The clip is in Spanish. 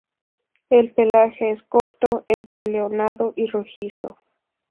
El pelaje es corto, entre leonado y rojizo.